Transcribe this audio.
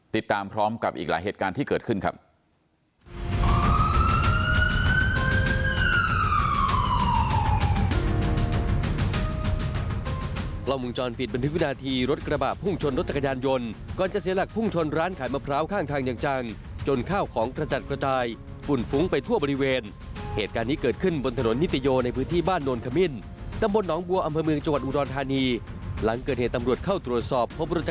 ติดตามพร้อมกับอีกหลายเหตุการณ์ที่เกิดขึ้นครับ